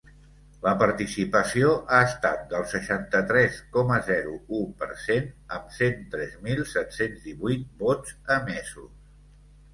La participació ha estat del seixanta-tres coma zero u per cent, amb cent tres mil set-cents divuit vots emesos.